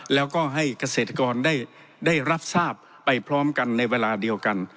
แล้วก็ให้เกษตรกรได้รับทราบไปพร้อมกันในเวลาเดียวกัน